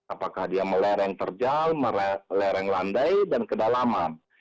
apakah dia melereng terjal melereng landai dan kedalaman